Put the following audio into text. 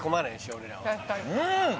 俺らはうん！